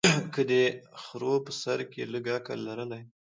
که دې خرو په سر کي لږ عقل لرلای